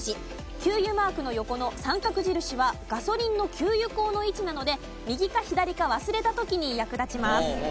給油マークの横の三角印はガソリンの給油口の位置なので右か左か忘れた時に役立ちます。